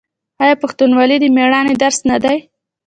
آیا پښتونولي د میړانې درس نه دی؟